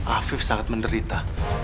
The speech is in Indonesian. afif sangat menderita